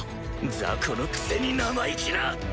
雑魚のくせに生意気な！